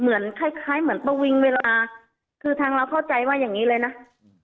เหมือนคล้ายคล้ายเหมือนประวิงเวลาคือทางเราเข้าใจว่าอย่างงี้เลยนะอืม